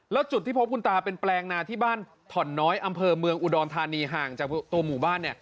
แล้วจุดที่พบคุณตาเป็นแปลงนาที่บ้านถ่อนน้อยอำเภอเมืองอุดรธานีห่างจากตัวหมู่บ้าน